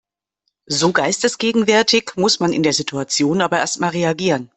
So geistesgegenwärtig muss man in der Situation aber erstmal reagieren.